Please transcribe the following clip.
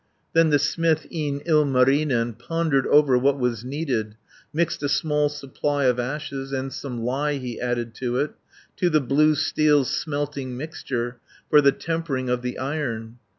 "Then the smith, e'en Ilmarinen, Pondered over what was needed, Mixed a small supply of ashes, And some lye he added to it, 210 To the blue steel's smelting mixture, For the tempering of the Iron.